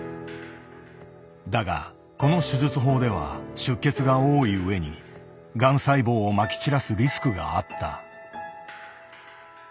だがこの手術法では出血が多い上にがん細胞をまき散らすリスクがあった。